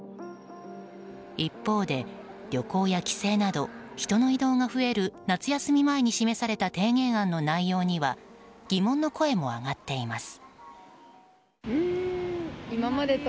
一方で旅行や帰省など人の移動が増える夏休み前に示された提言案の内容には疑問の声も上がっています。